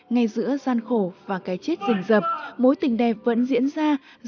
ngay giữa gian khổ và cái chết rình rập mối tình đẹp vẫn diễn ra